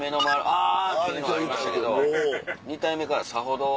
「あ！」っていうのがありましたけど２体目からさほど。